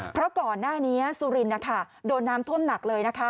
เพราะก่อนหน้านี้สุรินทร์โดนน้ำท่วมหนักเลยนะคะ